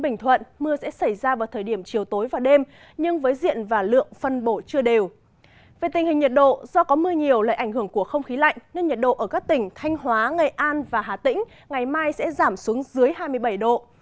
nhiệt độ do có mưa nhiều lại ảnh hưởng của không khí lạnh nên nhiệt độ ở các tỉnh thanh hóa ngày an và hà tĩnh ngày mai sẽ giảm xuống dưới hai mươi bảy độ